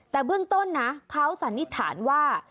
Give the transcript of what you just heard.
แต่เบื้องต้นนะเขาสันนิษฐานว่า